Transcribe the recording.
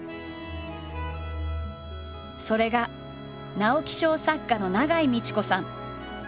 それが直木賞作家の永井路子さん。